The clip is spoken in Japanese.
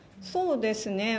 そうですね。